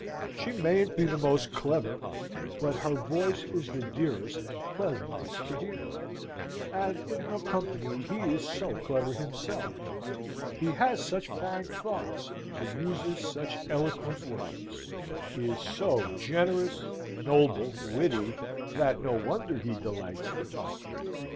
She mayn't be the most clever, but her voice is the dearest and pleasantest to hear; and in her company he is so clever himself; he has such fine thoughts; he uses such eloquent words; he is so generous, noble, witty, that no wonder he delights in it.